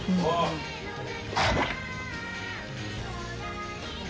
ああ。